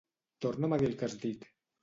Torna'm a dir el que has dit.